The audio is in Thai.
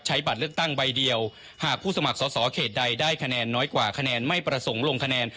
บัตรเลือกตั้งใบเดียวหากผู้สมัครสอสอเขตใดได้คะแนนน้อยกว่าคะแนนไม่ประสงค์ลงคะแนน